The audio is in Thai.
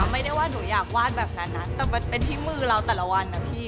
ไม่ได้ว่าหนูอยากวาดแบบนั้นนะแต่มันเป็นที่มือเราแต่ละวันนะพี่